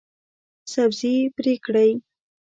سبزي پرې کړئ